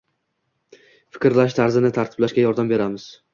fikrlash tarzini tartiblashga yordam beramiz.